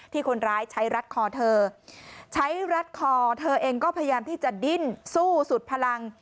คนร้ายใช้รัดคอเธอใช้รัดคอเธอเองก็พยายามที่จะดิ้นสู้สุดพลัง